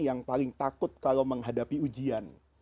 yang paling takut kalau menghadapi ujian